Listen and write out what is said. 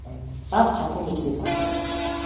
Лав чадна гэж би боддог юм.